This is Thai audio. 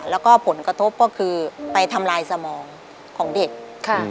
แล้วก็ผลกระทบก็คือไปทำลายสมองของเด็กค่ะ